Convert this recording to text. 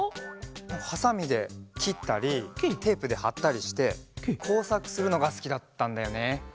ハサミできったりテープではったりしてこうさくするのがすきだったんだよね。